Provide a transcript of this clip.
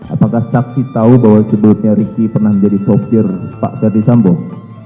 apakah saksi tahu bahwa sebelumnya riki pernah menjadi sopir pak ferdisambo